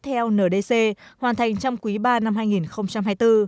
theo ndc hoàn thành trong quý ba năm hai nghìn hai mươi bốn